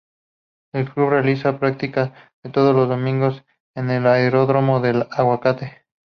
El club realiza practica todos los Domingos En el Aeródromo El Aguacate.